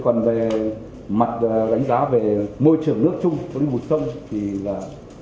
còn về mặt đánh giá về môi trường nước chung với mùa sông thì là